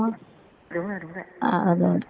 đúng rồi đúng rồi